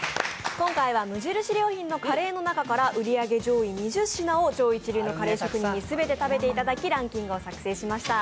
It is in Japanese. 今回は無印良品のカレーの中から売り上げ上位２０品を超一流のカレー職人に全て食べていただきランキングを作成しました。